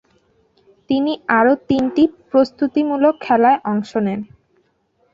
তিনি আরও তিনটি প্রস্তুতিমূলক খেলায় অংশ নেন।